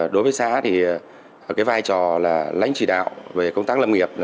đối với xã vai trò lãnh chỉ đạo về công tác lâm nghiệp